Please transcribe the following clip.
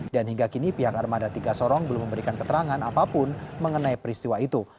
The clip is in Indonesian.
dan hingga kini pihak armada tiga sorong belum memberikan keterangan apapun mengenai peristiwa itu